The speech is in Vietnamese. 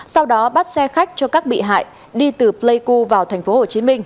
sau đó bắt xe khách cho các bị hại đi từ pleiku vào tp hcm